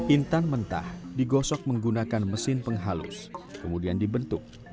intan mentah digosok menggunakan mesin penghalus kemudian dibentuk